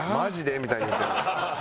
みたいに言ってる。